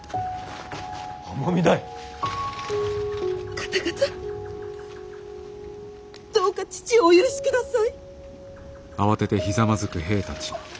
方々どうか父をお許しください。